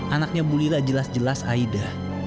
anaknya bu lila jelas jelas aida